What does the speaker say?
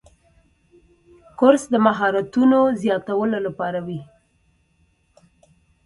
کورس د مهارتونو زیاتولو لپاره وي.